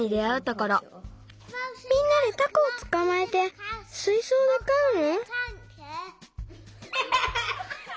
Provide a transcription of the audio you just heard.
みんなでタコをつかまえてすいそうでかうの？